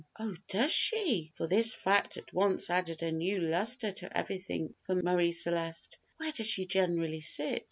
"Oh, does she?" for this fact at once added a new lustre to everything for Marie Celeste; "where does she generally sit?"